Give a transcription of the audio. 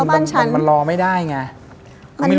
อารมณ์นั้นมันรอไม่ได้ไง